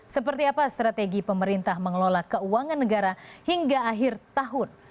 seperti apa strategi pemerintah mengelola keuangan negara hingga akhir tahun